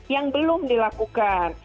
yang belum dilakukan